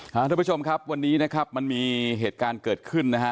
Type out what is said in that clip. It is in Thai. ท่านผู้ชมครับวันนี้นะครับมันมีเหตุการณ์เกิดขึ้นนะฮะ